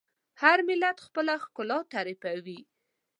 هر ملت خپله ښکلا تعریفوي.